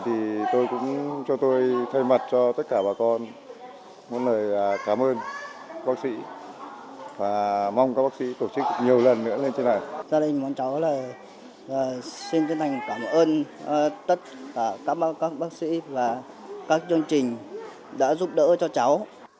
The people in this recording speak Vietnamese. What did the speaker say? gia đình mong cháu xin tất cả các bác sĩ và các chương trình đã giúp đỡ cho cháu